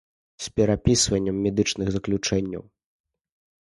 З перапісваннем медычных заключэнняў.